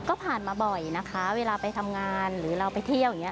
ก็ผ่านมาบ่อยนะคะเวลาไปทำงานหรือเราไปเที่ยวอย่างนี้